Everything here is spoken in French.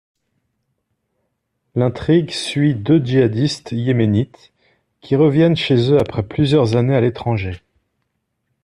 L'intrigue suit deux djihadistes yéménites, qui reviennent chez eux après plusieurs années à l'étranger.